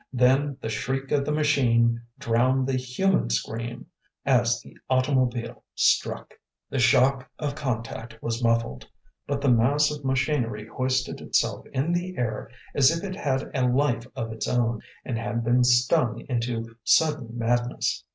Then the shriek of the machine drowned the human scream as the automobile struck. The shock of contact was muffled. But the mass of machinery hoisted itself in the air as if it had a life of its own and had been stung into sudden madness.